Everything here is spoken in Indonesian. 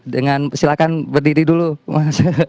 dengan silakan berdiri dulu mas